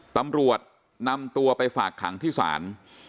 ตำรวจนำตัวไปฝากขังที่ศาล